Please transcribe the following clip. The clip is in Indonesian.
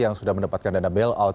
yang sudah mendapatkan dana bailout